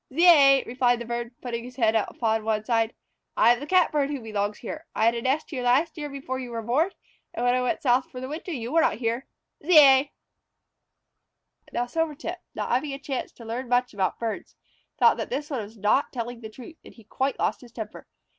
"Zeay!" replied the bird, putting his head upon one side. "I am the Catbird who belongs here. I had a nest here last year before you were born, and when I went south for the winter you were not here. Zeay!" Now Silvertip, not having had a chance to learn much about birds, thought that this one was not telling the truth, and he quite lost his temper.